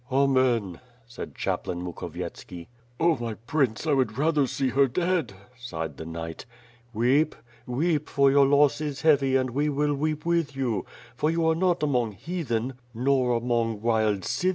"Amen," said chaplain Mukhovietski. "Oh, my Prince, I would rather see her dead," sighed the knight. 'Weep, weep, for your loss is heavy and we will weep with you; for you are not among heathen, nor among wild Scyth 292 WITH A SHOT, PUT AN END TO HIS TORMENTS.